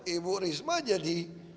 ibu risma jadi